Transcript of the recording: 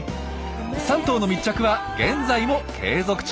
３頭の密着は現在も継続中。